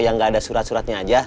yang gak ada surat surat